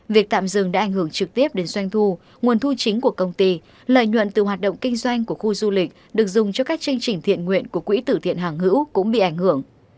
việc tạm dừng đã ảnh hưởng trực tiếp đến doanh thu nguồn thu chính của công ty lợi nhuận từ hoạt động kinh doanh của khu du lịch được dùng cho các chương trình thiện nguyện của quỹ tử thiện hàng hữu cũng bị ảnh hưởng